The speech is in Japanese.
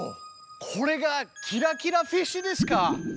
これがキラキラフィッシュですか！